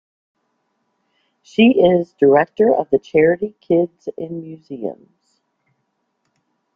She is director of the charity Kids in Museums.